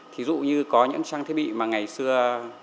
thí dụ như có những trang thiết bị mà ngày xưa